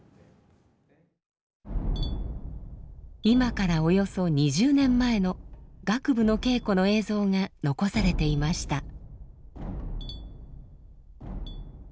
今からおよそ２０年前の楽部の稽古の映像が残されていました。